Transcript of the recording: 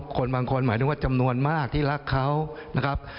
คนบางคนหมายถึงว่าจำนวนมากที่รักเขานะครับ